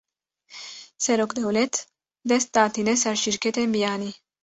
Serokdewlet, dest datîne ser şîrketên biyanî